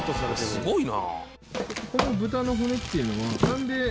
すごいな。